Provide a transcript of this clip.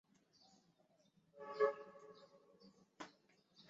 常春县是越南清化省下辖的一个县。